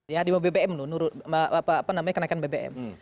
ya dia mau bbm loh kenakan bbm